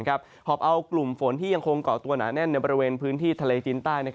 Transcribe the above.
หอบเอากลุ่มฝนที่ยังคงเกาะตัวหนาแน่นในบริเวณพื้นที่ทะเลจีนใต้